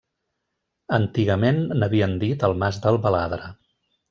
Antigament n'havien dit el Mas del Baladre.